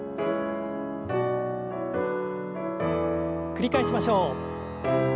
繰り返しましょう。